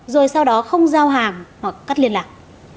rồi sau đó không giao hàng hoặc cắt liên lạc